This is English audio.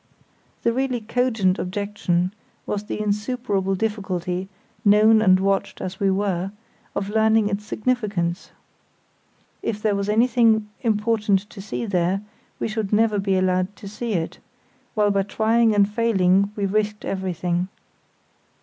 The really cogent objection was the insuperable difficulty, known and watched as we were, of learning its significance. If there was anything important to see there we should never be allowed to see it, while by trying and failing we risked everything.